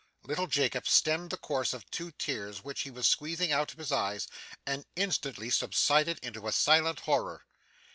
Little Jacob stemmed the course of two tears which he was squeezing out of his eyes, and instantly subsided into a silent horror.